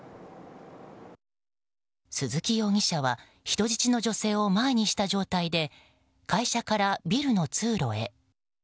鈴木容疑者は人質の女性を前にした状態で会社からビルの通路へ。